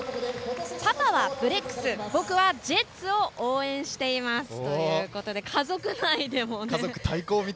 パパはブレックス僕はジェッツを応援していますということで家族内でも。